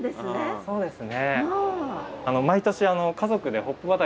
そうですか。